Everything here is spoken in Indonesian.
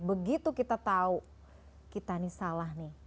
begitu kita tahu kita ini salah nih